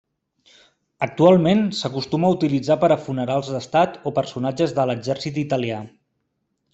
Actualment s'acostuma a utilitzar per a funerals d'estat o personatges de l'exèrcit italià.